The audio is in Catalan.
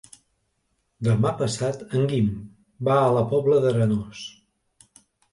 Demà passat en Guim va a la Pobla d'Arenós.